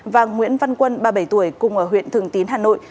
và nguyễn văn quân ba mươi bảy tuổi cùng ở huyện thường tín hà nội